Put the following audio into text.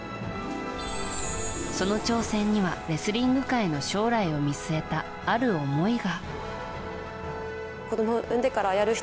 その挑戦にはレスリング界の将来を見据えたある思いが。